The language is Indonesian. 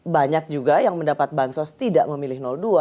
banyak juga yang mendapat bansos tidak memilih dua